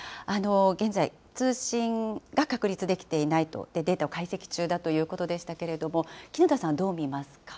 現在、通信が確立できていないと、データを解析中だということでしたけれども、絹田さん、どう見ま